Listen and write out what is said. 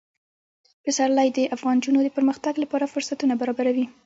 پسرلی د افغان نجونو د پرمختګ لپاره فرصتونه برابروي.